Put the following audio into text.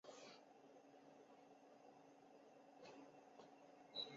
撤乡设镇后行政区域和政府驻地不变。